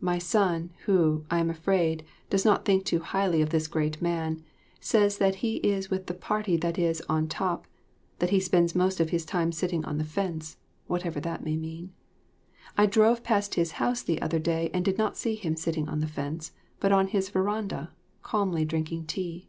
My son, who, I am afraid, does not think too highly of this great man, says that he is with the party that is "on top," that he spends most of his time sitting on the fence whatever that may mean. I drove past his house the other day and did not see him sitting on the fence, but on his veranda, calmly drinking tea.